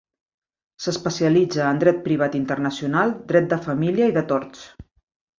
S'especialitza en dret privat internacional, dret de família i de torts.